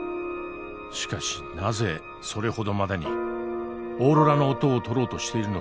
しかしなぜそれほどまでにオーロラの音をとろうとしているのか？